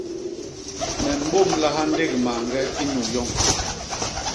Me mbômlaha ndék mañge inyuu yoñ.